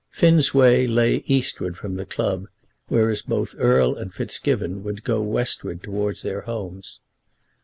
Finn's way lay eastward from the club, whereas both Erle and Fitzgibbon would go westwards towards their homes.